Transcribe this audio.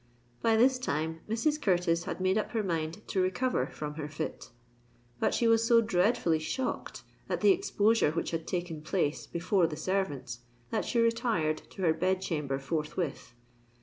By this time Mrs. Curtis had made up her mind to recover from her fit; but she was so dreadfully shocked at the exposure which had taken place before the servants, that she retired to her bed chamber forthwith.